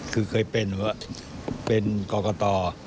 คือเคยเป็นหรือเป็นกรกษ์ต่อ